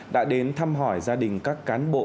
đã đến thăm hỏi gia đình các cán bộ